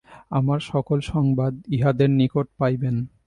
আমার সকল সংবাদ ইঁহাদের নিকট পাইবেন।